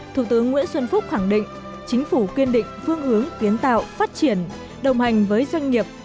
thủ tướng nguyễn xuân phúc khẳng định chính phủ kiên định phương hướng kiến tạo phát triển đồng hành với doanh nghiệp